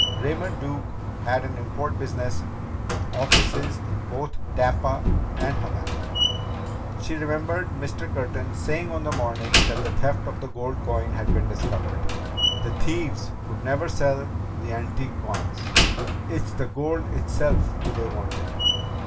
Raymond Duke had an import business with offices in both Tampa and Havana! She remembered Mr. Curtin saying on the morning that the theft of the gold coins had been discovered: "The thieves could never sell the antique coins. It's the gold itself they wanted!"